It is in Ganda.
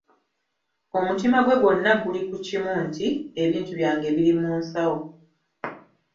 Omutima gwe gwonna guli ku kimu nti: "Ebintu byange biri mu nsawo."